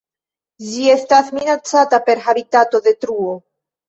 Ĝi estas minacata per habitatodetruo.